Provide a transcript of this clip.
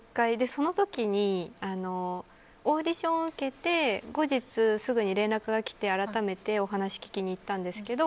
その時にオーディションを受けて後日、すぐに連絡が来て、改めてお話聞きに行ったんですけど